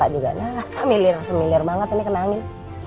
gak juga gak samilir samilir banget ini kena angin